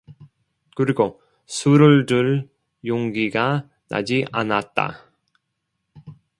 그리고 술을 들 용기가 나지 않았다.